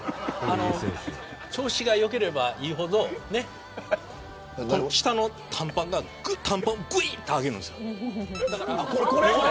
調子が良ければいいほど下の短パンをぐいっと上げるんです。